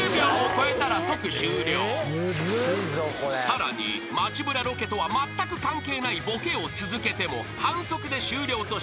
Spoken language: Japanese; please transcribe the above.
［さらに街ぶらロケとはまったく関係ないボケを続けても反則で終了とします］